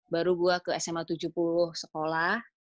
baru gue ke sma tujuh puluh sekolah